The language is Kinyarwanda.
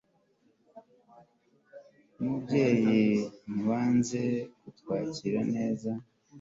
umubyeyi, ntiwanze kutwakira neza